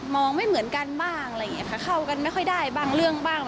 มองไม่เหมือนกันบ้างค่ะเข้ากันไม่ค่อยได้บ้างเรื่องบ้าง